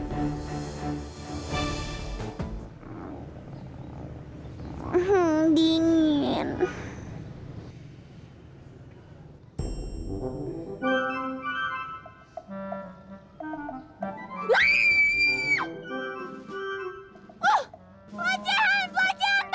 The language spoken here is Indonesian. tahu nggak sih kamu udah ngakuin pelajaran